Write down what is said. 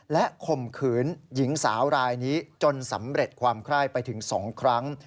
และข่มขืนหญิงสาวรายนี้จนสำเร็จความไคร้ไปถึง๒ครั้ง